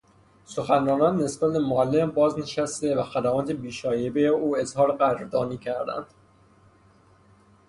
سخنرانان نسبت به معلم بازنشسته و خدمات بی شایبهی او اظهار قدردانی کردند.